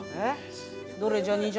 どれじゃあ。